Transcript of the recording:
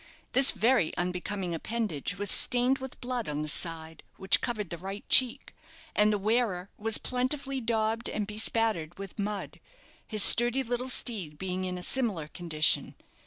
This very unbecoming appendage was stained with blood on the side which covered the right cheek and the wearer was plentifully daubed and bespattered with mud, his sturdy little steed being in a similar condition.